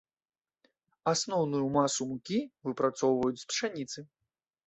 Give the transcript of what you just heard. Асноўную масу мукі выпрацоўваюць з пшаніцы.